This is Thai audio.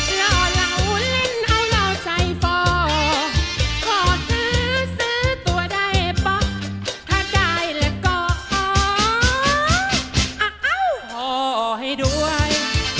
หล่อหล่อหุ้นเล่นเอาหล่อใจฟอขอซื้อซื้อตัวได้ป่ะถ้าได้แล้วก็อ่าอ้าวพ่อให้ด้วย